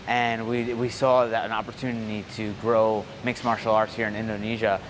dan kami melihat kesempatan untuk membangun arti arti mistik di indonesia